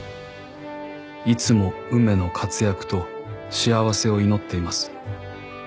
「いつも梅の活躍と幸せを祈っています」